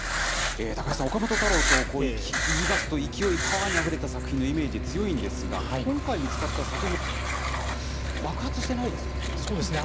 高橋さん、岡本太郎といいますと、勢い、パワーにあふれた作品のイメージ強いんですが、今回見つかった先ほどの３点、そうですね。